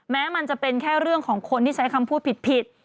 แม้มันจะเป็นแค่เรื่องของคนที่ใช้คำพูดผิด